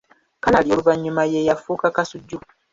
Kalali oluvannyuma ye yafuuka Kasujju